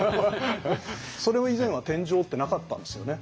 それも以前は天井ってなかったんですよね。